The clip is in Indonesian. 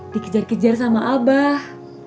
dikejar kejar sama abah